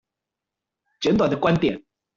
簡短的觀點